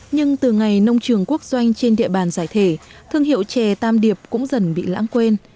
nhưng từ ngày nông trường quốc doanh trên địa bàn giải thể thương hiệu chè tam điệp cũng dần bị lãng quên